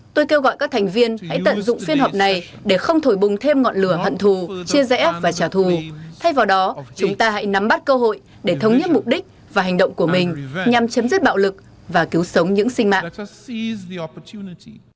tôi kêu gọi các thành viên hãy tận dụng phiên họp này để không thổi bùng thêm ngọn lửa hận thù chia rẽ và trả thù thay vào đó chúng ta hãy nắm bắt cơ hội để thống nhất mục đích và hành động của mình nhằm chấm dứt bạo lực và cứu sống những sinh mạng